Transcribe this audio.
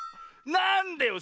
なんでよ